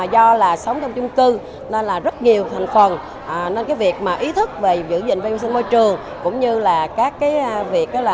do là sống trong chung cư nên là rất nhiều thành phần nên cái việc mà ý thức về giữ gìn văn hóa môi trường cũng như là các cái tính hấp dẫn cho người dân thành phố